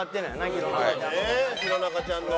弘中ちゃんの。